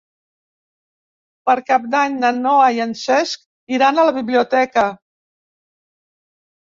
Per Cap d'Any na Noa i en Cesc iran a la biblioteca.